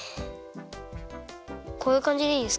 こういうかんじでいいですか？